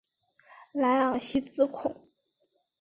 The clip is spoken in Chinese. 莱昂西兹孔。